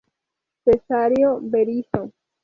Cesáreo Berisso.